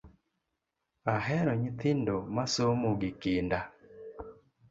Ahero nyithindo masomo gi kinda